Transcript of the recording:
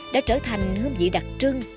đã trở thành hương vị đặc trưng